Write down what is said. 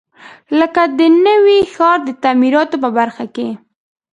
لکه د نوي ښار د تعمیراتو په برخو کې.